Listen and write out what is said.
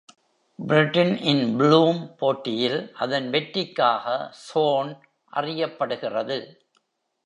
Brittain in Bloom போட்டியில் அதன் வெற்றிக்காக Sorn அறியப்படுகிறது.